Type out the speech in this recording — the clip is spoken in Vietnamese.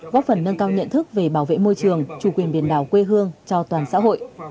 góp phần nâng cao nhận thức về bảo vệ môi trường chủ quyền biển đảo quê hương cho toàn xã hội